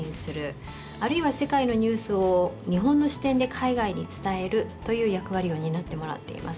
あるいは世界のニュースを日本の視点で海外に伝えるという役割を担ってもらっています。